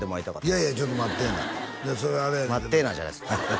いやいやちょっと待ってえな「待ってえな」じゃないです